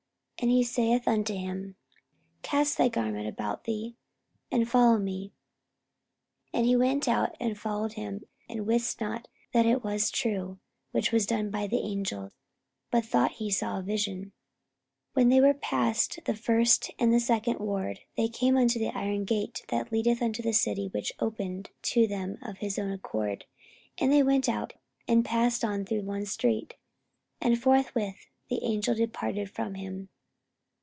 And he saith unto him, Cast thy garment about thee, and follow me. 44:012:009 And he went out, and followed him; and wist not that it was true which was done by the angel; but thought he saw a vision. 44:012:010 When they were past the first and the second ward, they came unto the iron gate that leadeth unto the city; which opened to them of his own accord: and they went out, and passed on through one street; and forthwith the angel departed from him.